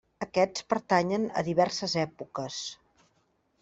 Aquests pertanyen a diverses èpoques.